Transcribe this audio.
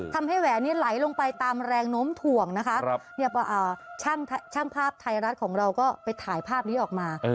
แหวนนี้ไหลลงไปตามแรงโน้มถ่วงนะคะช่างภาพไทยรัฐของเราก็ไปถ่ายภาพนี้ออกมา